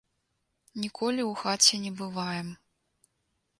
Ніколі ў хаце не бываем.